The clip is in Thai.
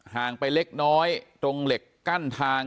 ห่างไปเล็กน้อยตรงเหล็กกั้นทาง